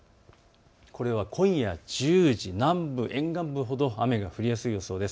これは今夜１０時、南部、沿岸部ほど雨が降りやすい予想です。